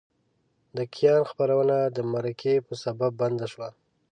د کیان خپرونه د مرکې په سبب بنده شوه.